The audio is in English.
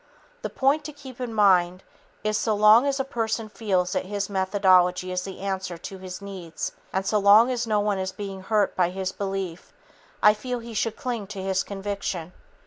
The point to keep in mind is that so long as a person feels that this methodology is the answer to his needs and so long as no one is being hurt by his belief, I feel he should cling to his conviction.